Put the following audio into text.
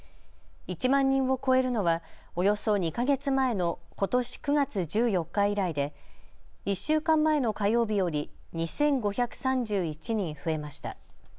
１万人を超えるのはおよそ２か月前のことし９月１４日以来で１週間前の火曜日より２５３１人増えました。